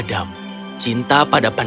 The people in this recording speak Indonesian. dia mencintai pangeran adam